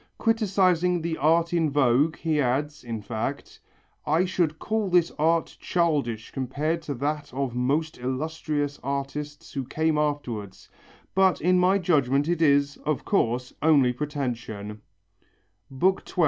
Criticizing the art in vogue, he adds, in fact: "I should call this art childish compared to that of most illustrious artists who came afterwards, but in my judgment it is, of course, only pretension" (XII, 10).